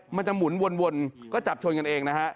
มันจะหมุนวนก็จับชนกันเองนะฮะ